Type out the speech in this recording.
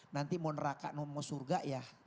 nanti mau neraka mau surga ya